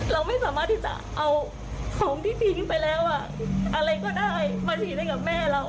เราไม่สามารถที่จะเอาของที่ทิ้งไปแล้วอะไรก็ได้มาฉีดให้กับแม่เรา